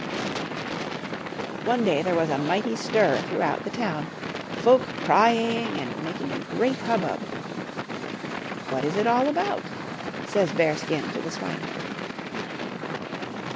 One day there was a mighty stir throughout the town ; folk crying, and making a great hubbub. "What is it all about?" says Bearskin to the swineherd.